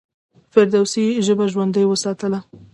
فردوسي ژبه ژوندۍ وساتله.